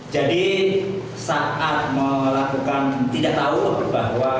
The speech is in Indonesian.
jadi saat melakukan tidak tahu apa berbahwa